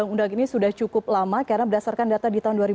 memang kami memasukkan data ini